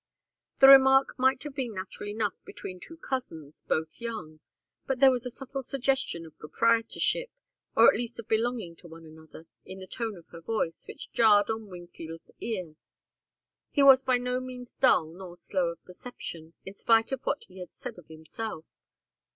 The remark might have been natural enough between two cousins, both young. But there was a subtle suggestion of proprietorship, or at least of belonging to one another, in the tone of her voice, which jarred on Wingfield's ear. He was by no means dull nor slow of perception, in spite of what he had said of himself.